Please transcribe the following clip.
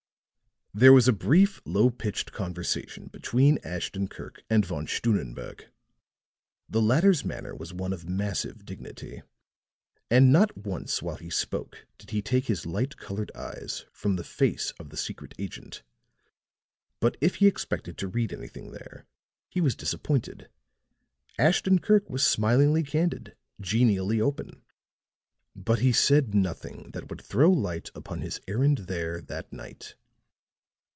There was a brief, low pitched conversation between Ashton Kirk and Von Stunnenberg. The latter's manner was one of massive dignity; and not once while he spoke did he take his light colored eyes from the face of the secret agent. But if he expected to read anything there, he was disappointed. Ashton Kirk was smilingly candid, genially open. But he said nothing that would throw light upon his errand there that night.